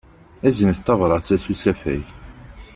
Aznet tabṛat-a s usafag.